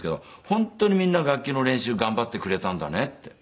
本当にみんな楽器の練習頑張ってくれたんだねって。